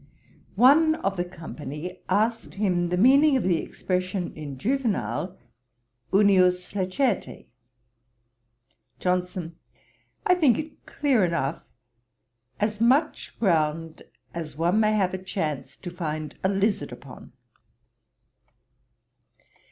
One of the company asked him the meaning of the expression in Juvenal, unius lacertæ. JOHNSON. 'I think it clear enough; as much ground as one may have a chance to find a lizard upon.'